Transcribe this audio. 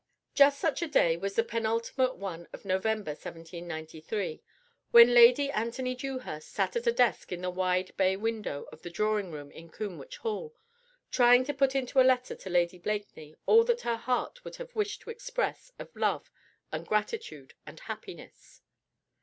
Just such a day was the penultimate one of November, 1793, when Lady Anthony Dewhurst sat at a desk in the wide bay window of the drawing room in Combwich Hall, trying to put into a letter to Lady Blakeney all that her heart would have wished to express of love and gratitude and happiness.